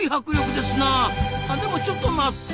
でもちょっと待った！